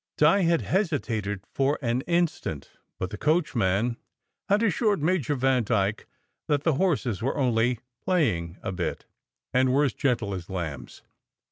Di had hesitated for an instant, but the coach man had assured Major Vandyke that the horses were only "playing a bit," and were as gentle as lambs.